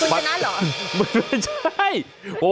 คุณชนะหรอ